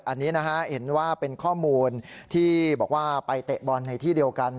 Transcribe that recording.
อันนี้นะฮะเห็นว่าเป็นข้อมูลที่บอกว่าไปเตะบอลในที่เดียวกัน